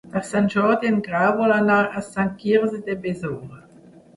Per Sant Jordi en Grau vol anar a Sant Quirze de Besora.